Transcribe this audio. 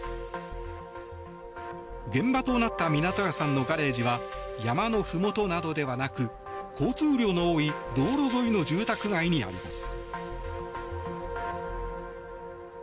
現場となった湊屋さんのガレージは山のふもとなどではなく交通量の多い道路沿いの住宅街にあります。